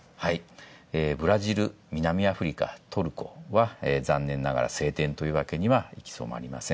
ブラジル、南アフリカ、トルコは残念ながら晴天というわけにはいきません。